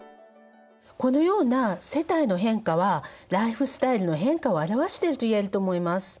このような世帯の変化はライフスタイルの変化を表してるといえると思います。